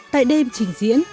tại đêm trình diễn